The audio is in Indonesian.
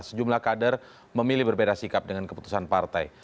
sejumlah kader memilih berbeda sikap dengan keputusan partai